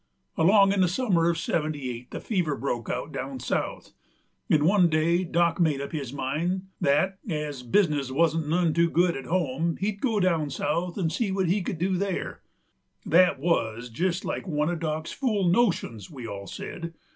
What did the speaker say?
Along in the summer of '78 the fever broke out down South, 'nd one day Dock made up his mind that as bizness wuzn't none too good at home he'd go down South 'nd see what he could do there. That wuz jest like one of Dock's fool notions, we all said.